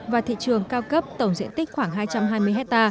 và thị trường cao cấp tổng diện tích khoảng hai trăm hai mươi hectare